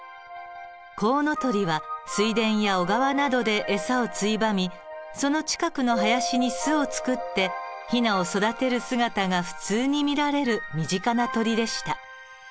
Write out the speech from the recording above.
コウノトリは水田や小川などで餌をついばみその近くの林に巣を作ってヒナを育てる姿が普通に見られる身近な鳥でした。